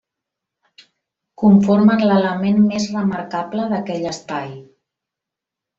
Conformen l'element més remarcable d'aquell espai.